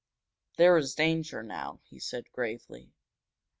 "There is danger now," he said, gravely.